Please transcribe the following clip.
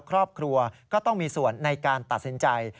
ครอบครัวก็ต้องมีส่วนในการตัดสินใจ